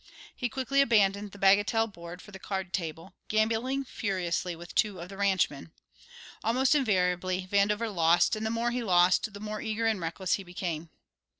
He quickly abandoned the bagatelle board for the card table, gambling furiously with two of the ranchmen. Almost invariably Vandover lost, and the more he lost the more eager and reckless he became.